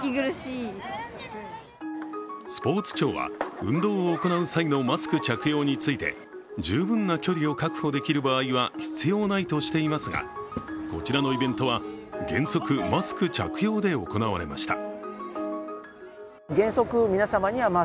スポーツ庁は運動を行う際のマスク着用について十分な距離を確保できる場合は必要ないとしていますが、こちらのイベントは、原則マスク着用で行われました。